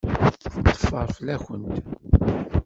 Teffer fell-akent.